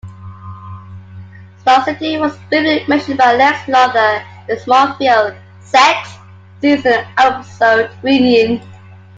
Star City was briefly mentioned by Lex Luthor in the "Smallville" sixth-season episode "Reunion".